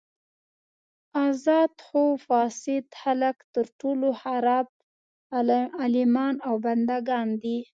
ازاد خو فاسد خلک تر ټولو خراب غلامان او بندګان دي.